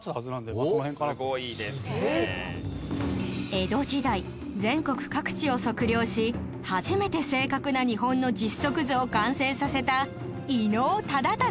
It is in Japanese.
江戸時代全国各地を測量し初めて正確な日本の実測図を完成させた伊能忠敬